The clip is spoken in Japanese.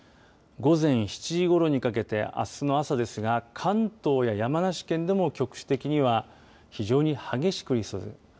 午前７時ごろにかけてあすの朝ですが関東や山梨県でも局地的には非常に激しく降りそうです。